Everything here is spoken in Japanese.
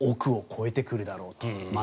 億を超えてくるだろうと。